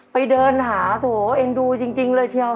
ไปเดินหาโถเอ็นดูจริงเลยเชียว